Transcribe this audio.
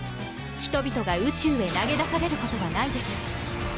人々が宇宙へ投げ出されることはないでしょう。